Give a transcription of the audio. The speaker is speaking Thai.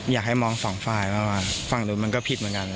อยากให้มองสองฝ่ายมากกว่าฝั่งนู้นมันก็ผิดเหมือนกัน